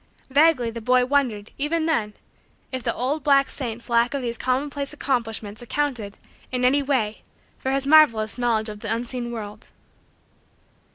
Vaguely the boy wondered, even then, if the old black saint's lack of those commonplace accomplishments accounted, in any way, for his marvelous knowledge of the unseen world.